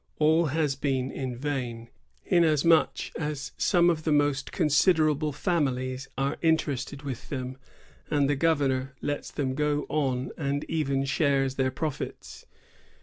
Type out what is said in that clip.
All has been in vain; inasmuch as some of the most considerable families are interested with them, and the governor lets them go on and even shares their profits."